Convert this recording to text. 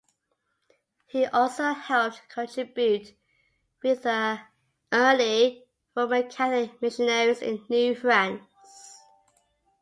He also helped contribute with the early Roman Catholic missionaries in New France.